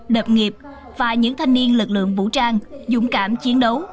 lập nghiệp và những thanh niên lực lượng vũ trang dũng cảm chiến đấu